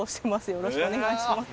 よろしくお願いします。